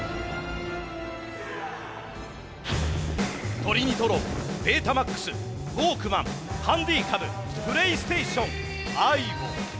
トリニトロンベータマックスウォークマンハンディカムプレイステーションアイボ。